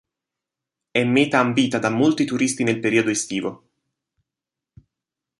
È meta ambita da molti turisti nel periodo estivo.